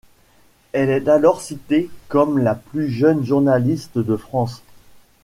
Elle est alors citée comme la plus jeune journaliste de France.